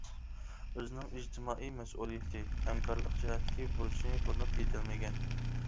ئۆزىنىڭ ئىجتىمائىي مەسئۇلىيىتى، ھەمكارلىق جەھەتتىكى بۇرچىنى تونۇپ يېتەلمىگەن.